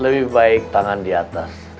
lebih baik tangan di atas